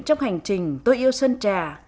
trong hành trình tôi yêu sân trà